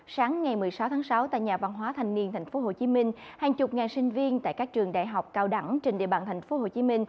sáng ngày một mươi sáu tháng sáu tại nhà văn hóa thanh niên tp hcm hàng chục ngàn sinh viên tại các trường đại học cao đẳng trên địa bàn tp hcm